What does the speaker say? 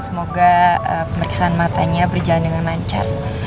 semoga pemeriksaan matanya berjalan dengan lancar